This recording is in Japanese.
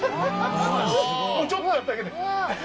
もうちょっとやっただけで。